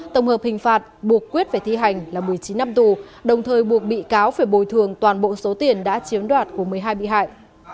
tổng hợp hình phạt buộc quyết phải thi hành là một mươi chín năm tù đồng thời buộc bị cáo phải bồi thường toàn bộ số tiền đã chiếm đoạt của một mươi hai bị hại